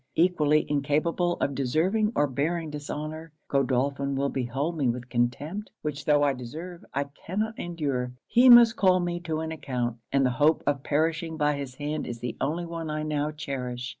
Equally incapable of deserving or bearing dishonour, Godolphin will behold me with contempt; which tho' I deserve, I cannot endure. He must call me to an account; and the hope of perishing by his hand is the only one I now cherish.